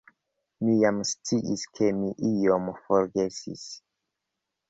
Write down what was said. Mi ja sciis, ke mi ion forgesis.